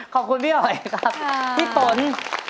ขอบคุณพี่อ๋อยครับพี่ฝน